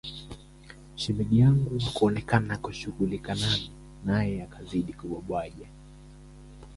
Shemeji yangu hakuonekana kushughulika nami naye akazidi kubwabwaja